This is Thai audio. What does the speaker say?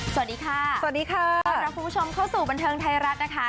สวัสดีค่ะสวัสดีค่ะต้อนรับคุณผู้ชมเข้าสู่บันเทิงไทยรัฐนะคะ